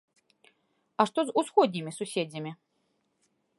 А што з усходнімі суседзямі?